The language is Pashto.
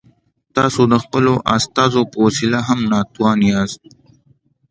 تاسو د خپلو استازو په وسیله هم ناتوان یاست.